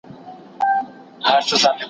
د قریشو حملې درې کاله دوام وکړې.